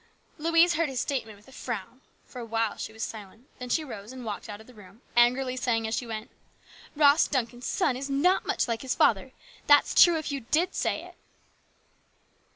Louise heard his statement with a frown. For a while she was silent, then she rose and walked out of the room, angrily saying as she went, " Ross Duncan's son is not much like his father. That's true, if you did say it."